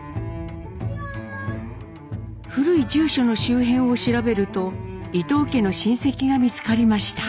古い住所の周辺を調べると伊藤家の親戚が見つかりました。